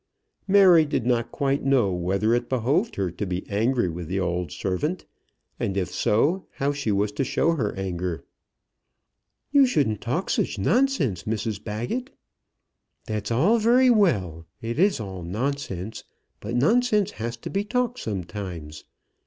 Mary did not quite know whether it behoved her to be angry with the old servant, and if so, how she was to show her anger. "You shouldn't talk such nonsense, Mrs Baggett." "That's all very well. It is all nonsense; but nonsense has to be talked sometimes.